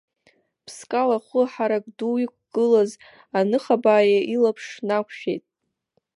Ԥскал ахәы ҳарак ду иқәгылаз аныхабаа илаԥш нақәшәеит.